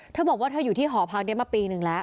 เธอบอกว่าเธออยู่ที่หอพักนี้มาปีนึงแล้ว